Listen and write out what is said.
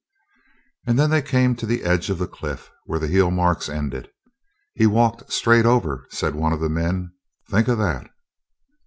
And then they came to the edge of the cliff, where the heel marks ended. "He walked straight over," said one of the men. "Think o' that!"